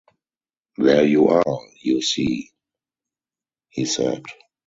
“There you are, you see!” he said.